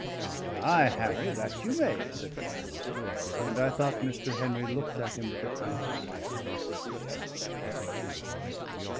"Ay, Harry, that you may," said the Master; and I thought Mr. Henry looked at him with a kind of wildness in his eye.